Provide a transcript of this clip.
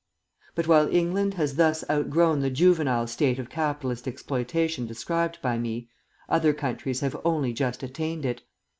But while England has thus outgrown the juvenile state of capitalist exploitation described by me, other countries have only just attained it.